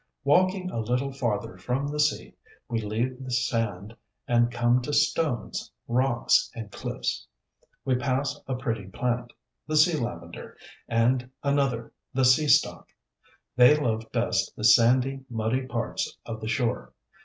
Walking a little farther from the sea, we leave the sand and come to stones, rocks and cliffs. We pass a pretty plant, the Sea Lavender, and another, the Sea Stock. They love best the sandy, muddy parts of the shore.